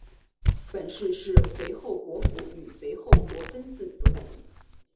本市是肥后国府与肥后国分寺所在地。